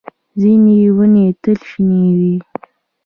ځینې ونې تل شنې وي